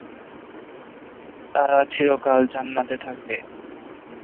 তারা চিরকাল জান্নাতে থাকবে।